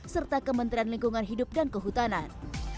serta kementerian lingkungan hidup dan kehutanan